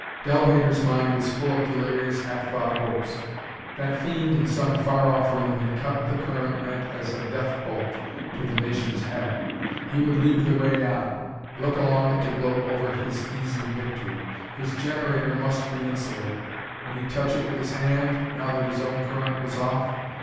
Delamater's mind was full of delirious, half thought hopes. That fiend in some far off room had cut the current meant as a death bolt to the Nation's' head. He would leave the ray on look along it to gloat over his easy victory. His generator must be insulated: would he touch it with his hand, now that his own current was off?